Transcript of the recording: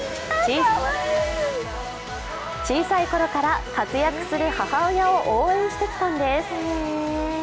小さいころから活躍する母親を応援してきたんです。